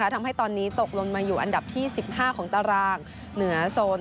ทำให้ตอนนี้ตกลงมาอยู่อันดับที่๑๕ของตารางเหนือโซน